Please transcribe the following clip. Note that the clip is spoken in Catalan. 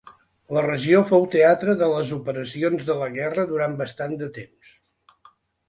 La regió fou teatre de les operacions de la guerra durant bastant de temps.